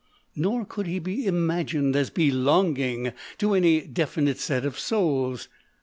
Nor could he be imagined as " belonging" to any definite set of souls.